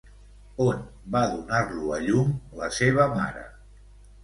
On va donar-lo a llum la seva mare?